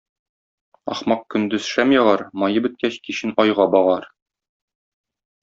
Ахмак көндез шәм ягар, мае беткәч, кичен айга багар.